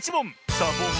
サボン！